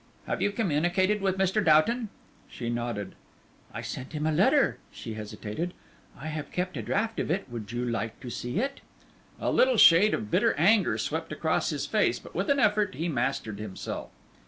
"Have you communicated with Mr. Doughton?" She nodded. "I sent him a letter," she hesitated. "I have kept a draft of it; would you like to see it?" A little shade of bitter anger swept across his face, but with an effort he mastered himself.